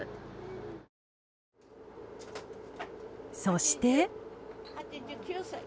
そして。